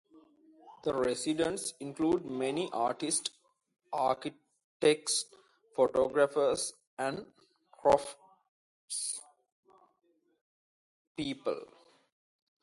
The residents include many "artists, architects, photographers, and craftspeople".